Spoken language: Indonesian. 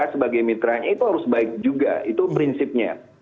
jadi bagi menteri itu harus baik juga itu prinsipnya